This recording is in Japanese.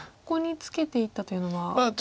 ここにツケていったというのは。